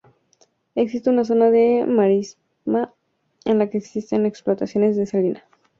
Existe una zona de marisma en la que existen explotaciones de salinas.